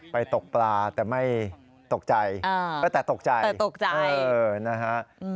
ไปตกปลาแต่ไม่ตกใจแต่ตกใจนะฮะ